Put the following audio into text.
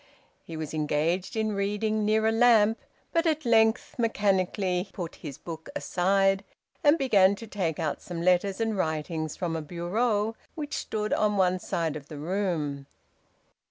He was engaged in reading near a lamp, but at length mechanically put his book aside, and began to take out some letters and writings from a bureau which stood on one side of the room.